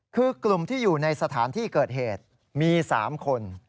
คือกลุ่มที่อยู่ในสถานที่เกิดเหตุมี๓คน